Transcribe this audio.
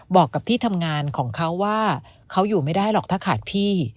บอกกับที่ทำงานของเขาว่าเขาอยู่ไม่ได้หรอกถ้าขาดพี่